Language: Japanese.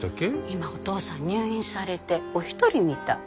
今お父さん入院されてお一人みたい。